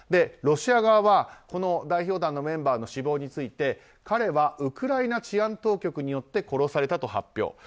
ロシア側はこの代表団のメンバーの死亡について彼はウクライナ治安当局によって殺されたと発表。